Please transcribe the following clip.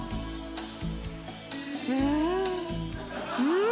うん！